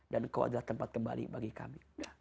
dan engkau adalah tempat kembali bagi kami